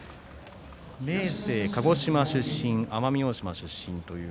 明生は鹿児島奄美大島の出身。